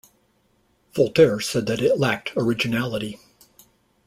Voltaire said that it lacked originality.